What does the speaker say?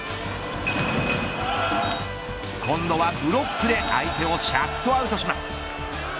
今度はブロックで相手をシャットアウトします。